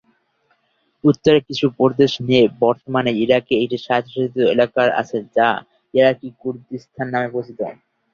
উত্তরের কিছু প্রদেশ নিয়ে বর্তমানে ইরাকে একটি স্বায়ত্বশাসিত এলাকা আছে যা ইরাকি কুর্দিস্তান নামে পরিচিত।